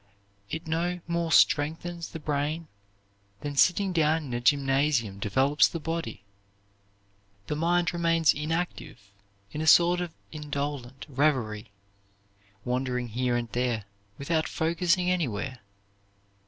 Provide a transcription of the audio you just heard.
It no more strengthens the brain than sitting down in a gymnasium develops the body. The mind remains inactive, in a sort of indolent revery, wandering here and there, without focusing anywhere.